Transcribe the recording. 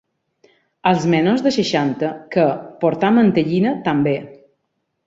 Als menors de seixanta, que “portar mantellina” també.